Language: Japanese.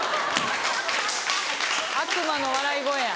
悪魔の笑い声や。